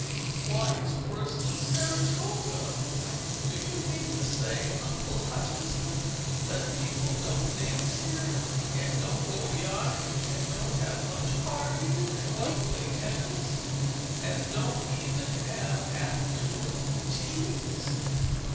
"Why, it's worse than Saratoga. Do you mean to say, Uncle Hutchinson, that people don't dance here, and don't go yachting, and don't have lunch parties, and don't play tennis, and don't even have afternoon teas?"